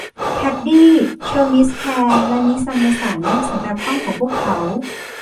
แคดดี้ โชว์มิสแคลร์และมิสซัมเมอสันสำหรับห้องของพวกเขา